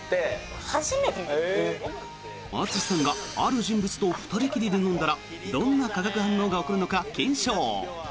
淳さんがある人物と２人きりで飲んだらどんな化学反応が起こるのか検証。